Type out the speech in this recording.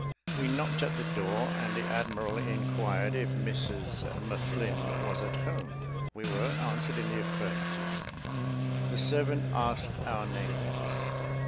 We knocked at the door, and the admiral inquired if Mrs M'Flinn was at home; we were answered in the affirmative. The servant asked our names.